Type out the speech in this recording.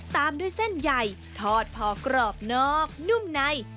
ตามด้วยเส้นใหญ่ทอดพอกรอบนอกนุ่มใน